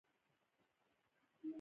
خدای دې موږ ته توفیق راکړي